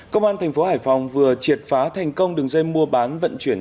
công an thành phố hải phòng vừa triệt phá thành công đường dây mua bán vận chuyển